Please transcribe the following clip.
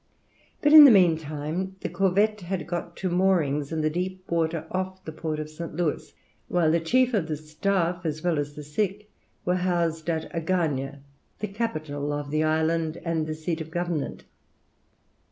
But in the meantime the corvette had got to moorings in the deep water off the port of St. Louis, while the chief of the Staff, as well as the sick, were housed at Agagna, the capital of the island and the seat of government.